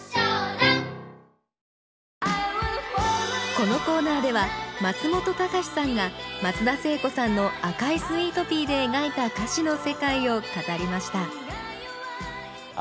このコーナーでは松本隆さんが松田聖子さんの「赤いスイートピー」で描いた歌詞の世界を語りました